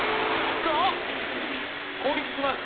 が攻撃します。